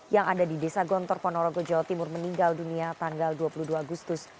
yang ada di desa gontor ponorogo jawa timur meninggal dunia tanggal dua puluh dua agustus